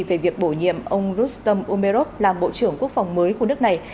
về việc bổ nhiệm ông roustom umerov làm bộ trưởng quốc phòng mới của nước này